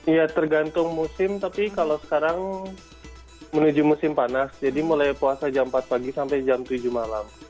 ya tergantung musim tapi kalau sekarang menuju musim panas jadi mulai puasa jam empat pagi sampai jam tujuh malam